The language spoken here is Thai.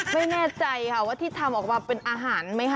ไม่แน่ใจค่ะว่าที่ทำออกมาเป็นอาหารไหมคะ